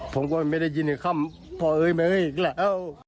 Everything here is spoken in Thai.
ผมก็ไม่ได้ยินอีกคำพอเอ่ยมาอีกแล้ว